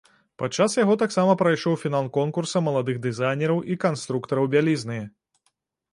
Падчас яго таксама прайшоў фінал конкурса маладых дызайнераў і канструктараў бялізны.